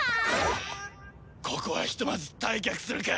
ここはひとまず退却するか。